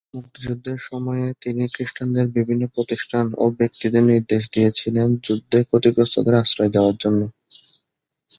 মুক্তিযুদ্ধের সময়ে তিনি খ্রিস্টানদের বিভিন্ন প্রতিষ্ঠান ও ব্যক্তিদের নির্দেশ দিয়েছিলেন যুদ্ধে ক্ষতিগ্রস্থদের আশ্রয় দেওয়ার জন্য।